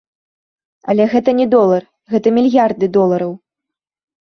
Але гэта не долар, гэта мільярды долараў.